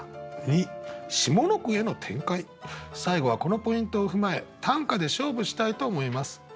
最後はこのポイントを踏まえ短歌で勝負したいと思います。